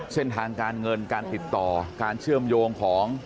เส้นทางการเงินการติดต่อการเชื่อมโยงของ